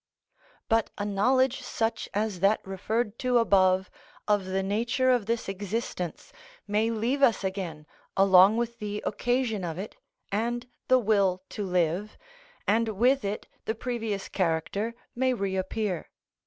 But a knowledge such as that referred to above of the nature of this existence may leave us again along with the occasion of it and the will to live, and with it the previous character may reappear.